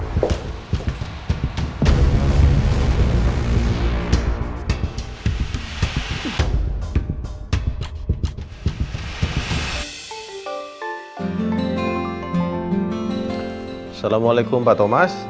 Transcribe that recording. assalamualaikum pak thomas